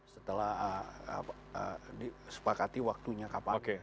setelah disepakati waktunya kapan